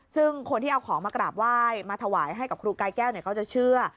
ซึ่งคนที่เอาของมากราบไหว้มาถวายให้กับครูกายแก้วก็จะเชื่อ